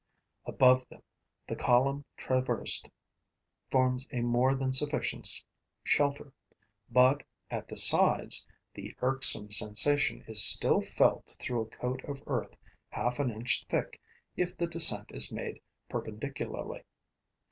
Above them, the column traversed forms a more than sufficient shelter; but, at the sides, the irksome sensation is still felt through a coat of earth half an inch thick if the descent is made perpendicularly.